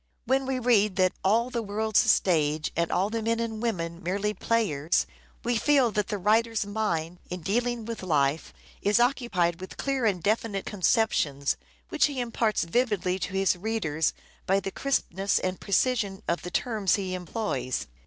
When we read that " all the world's a stage and all the men and women merely players," we feel that the writer's mind, in dealing with life, is occupied with clear and definite conceptions, which he imparts vividly to his readers by the crispness and precision of the terms he employs.